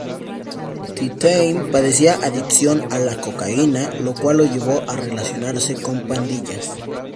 Tea-Time padecía adicción a la cocaína, lo cual lo llevó a relacionarse con pandillas.